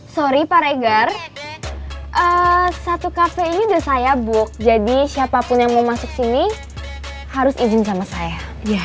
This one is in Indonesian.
sorry pak reger satu kafe ini udah saya book jadi siapapun yang mau masuk sini harus izin sama saya